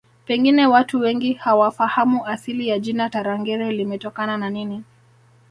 Pengine watu wengi hawafahamu asili ya jina Tarangire limetokana na nini